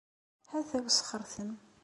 Ata usxertem!